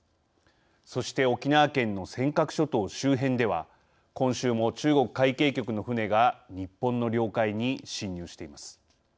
そして沖縄県の尖閣諸島周辺では今週も中国海警局の船が日本の領海に侵入しています。